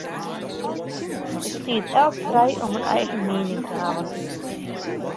It stiet elk frij om in eigen miening te hawwen.